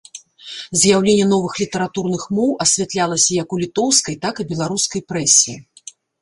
З'яўленне новых літаратурных моў асвятлялася як у літоўскай, так і беларускай прэсе.